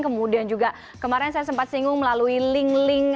kemudian juga kemarin saya sempat singgung melalui link link